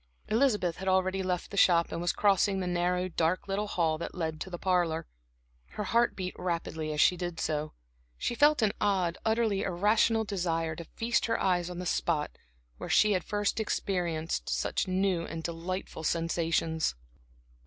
Elizabeth had already left the shop, and was crossing the narrow, dark little hall that led to the parlor. Her heart beat rapidly as she did so. She felt an odd, utterly irrational desire to feast her eyes on the spot where she had first experienced such new and delightful sensations.